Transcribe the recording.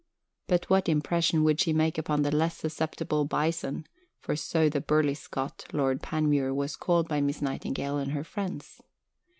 But what impression would she make upon the less susceptible "Bison" (for so the burly Scot, Lord Panmure, was called by Miss Nightingale and her friends)?